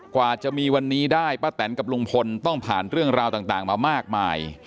กว่าจะมีวันนี้ได้ป้าแตนกับลุงพลต้องผ่านเรื่องราวต่างมามากมาย